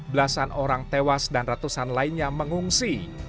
belasan orang tewas dan ratusan lainnya mengungsi